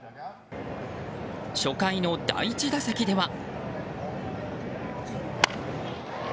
初回の第１打席では。